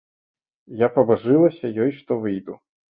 Я пабажылася ёй, што выйду.